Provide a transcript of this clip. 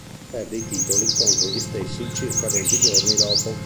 Perde i titoli contro gli stessi circa venti giorni dopo.